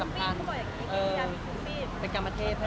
เวลาที่คนสัมภาษณ์